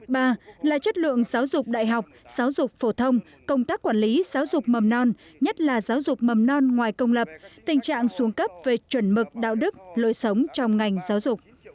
ba là chất lượng giáo dục đại học giáo dục phổ thông công tác quản lý giáo dục mầm non nhất là giáo dục mầm non ngoài công lập tình trạng xuống cấp về chuẩn mực đạo đức lối sống trong ngành giáo dục